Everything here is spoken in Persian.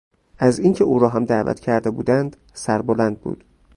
از اینکه او را هم دعوت کرده بودند سربلند بود.